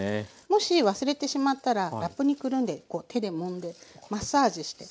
もし忘れてしまったらラップにくるんでこう手でもんでマッサージして。